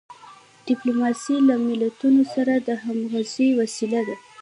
ډیپلوماسي له ملتونو سره د همږغی وسیله ده.